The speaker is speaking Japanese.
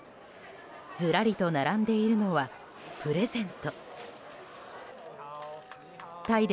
ずらりと並んでいるのはプレゼント。